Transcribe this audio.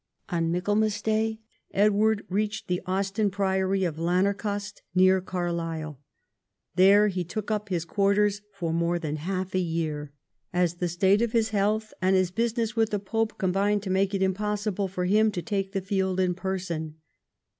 On Michaelmas day Edward reached the Austin priory of Lanercost, near Carlisle. Here he took up his quarters for more than half a year, as the state of his health and his business with the pope combined to make it impossible for him to take the field in person.